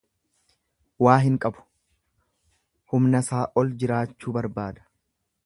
Waa hin qabu, humnasaa ol jiraachuu barbaada.